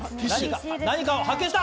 何かを発見した！